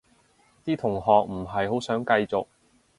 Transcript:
啲同學唔係好想繼續